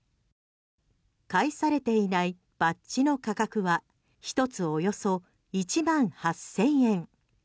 返されていないバッジの価格は１つおよそ１万８０００円。